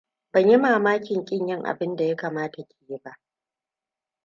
Ban yi mamakin kin yin abin da ya kamata ki yi ba.